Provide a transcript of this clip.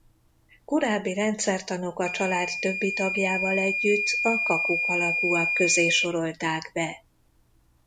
Korábbi rendszertanok a család többi tagjával együtt a kakukkalakúak közé sorolták be.